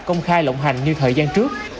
công khai lộng hành như thời gian trước